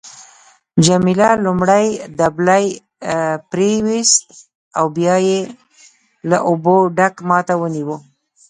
جميله لومړی دبلی پریویست او بیا یې له اوبو ډک ما ته ونیو.